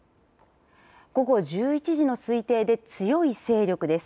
午後１１時の推定で強い勢力です。